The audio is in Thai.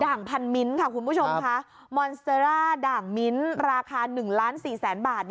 งพันมิ้นค่ะคุณผู้ชมค่ะมอนเซอร่าด่างมิ้นราคา๑ล้าน๔แสนบาท